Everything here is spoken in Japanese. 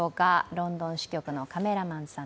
ロンドン支局のカメラマンさん